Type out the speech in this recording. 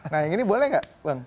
nah ini boleh nggak